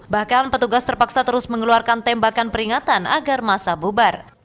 bahkan petugas terpaksa terus mengeluarkan tembakan peringatan agar masa bubar